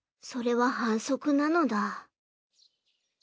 それは反則なのだ。